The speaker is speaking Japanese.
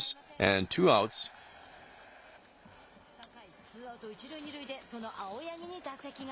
３回、ツーアウト、一塁二塁でその青柳に打席が。